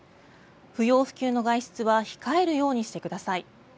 不要不急の外出は控えるようにしてください。